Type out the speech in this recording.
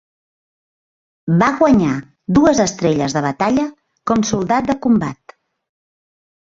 Va guanyar dues Estrelles de Batalla com Soldat de Combat.